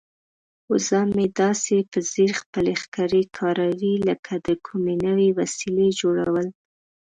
وزه مې داسې په ځیر خپلې ښکرې کاروي لکه د کومې نوې وسیلې جوړول.